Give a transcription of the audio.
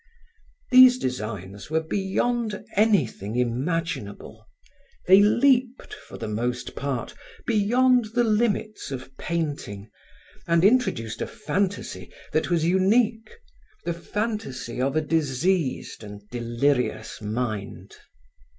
These designs were beyond anything imaginable; they leaped, for the most part, beyond the limits of painting and introduced a fantasy that was unique, the fantasy of a diseased and delirious mind.